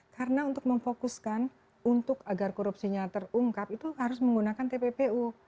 karena untuk memfokuskan untuk agar korupsinya terungkap itu harus menggunakan tppu